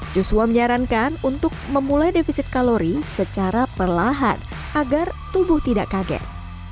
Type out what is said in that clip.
joshua menyarankan untuk memulai defisit kalori secara perlahan agar tubuh tidak kaget